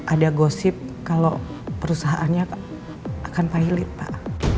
ada gosip kalau perusahaannya akan pilot pak